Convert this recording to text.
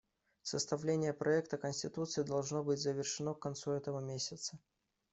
Составление проекта конституции должно быть завершено к концу этого месяца.